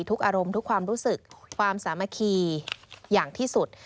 อารมณ์ทุกความรู้สึกความสามัคคีอย่างที่สุด